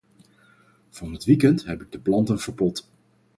Van het weekend heb ik de planten verpot.